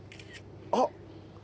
あっ！